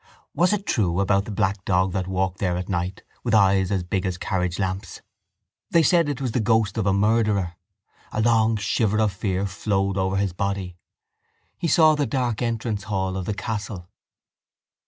Was it true about the black dog that walked there at night with eyes as big as carriagelamps? They said it was the ghost of a murderer. A long shiver of fear flowed over his body. He saw the dark entrance hall of the castle.